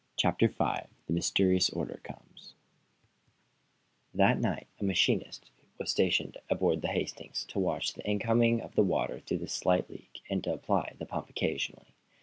CHAPTER V THE MYSTERIOUS ORDER COMES That night a machinist was stationed aboard the "Hastings" to watch the in coming of water through the slight leak, and to apply the pump occasionally.